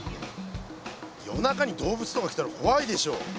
夜中に動物とか来たら怖いでしょ。